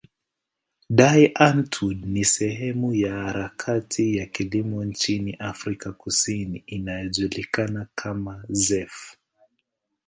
Die Antwoord ni sehemu ya harakati ya kilimo nchini Afrika Kusini inayojulikana kama zef.